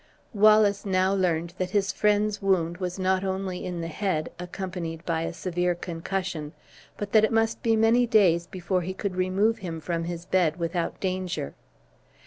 Wallace now learned that his friend's wound was not only in the head, accompanied by a severe concussion, but that it must be many days before he could remove him from his bed without danger.